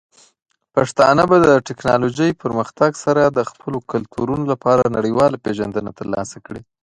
پښتانه به د ټیکنالوجۍ پرمختګ سره د خپلو کلتورونو لپاره نړیواله پیژندنه ترلاسه کړي.